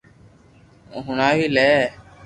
ھون ھڻاوي لي